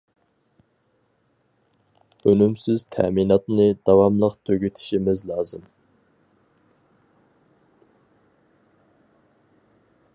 ئۈنۈمسىز تەمىناتنى داۋاملىق تۈگىتىشىمىز لازىم.